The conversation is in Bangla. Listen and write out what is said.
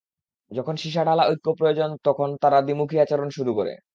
যখন সিসাঢালা ঐক্য প্রয়োজন তখন তারা দ্বিমুখী আচরণ শুরু করে।